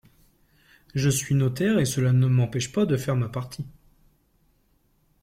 Je suis notaire et cela ne m’empêche pas de faire ma partie.